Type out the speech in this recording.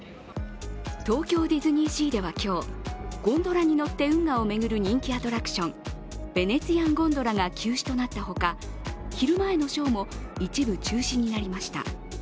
東京ディズニーシーでは今日ゴンドラに乗って運河を巡る人気アトラクションヴェネツィアン・コンドラが休止となったほか、昼前のショーも一部中止になりました。